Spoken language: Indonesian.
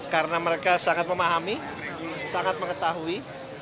karena mereka sangat memahami sangat mengetahui